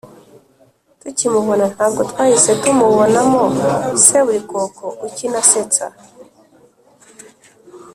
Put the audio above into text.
tukimubona, ntabwo twahise tumubonamo seburikoko ukina asetsa,